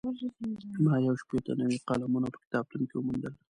ما یو شپېته نوي قلمونه په کتابتون کې وموندل.